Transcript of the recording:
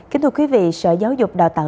kính thưa quý vị sở giáo dục đào tạo